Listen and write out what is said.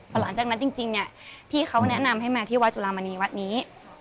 พอหลังจากนั้นจริงเนี่ยพี่เขาแนะนำให้มาที่วัดจุลามณีวัดนี้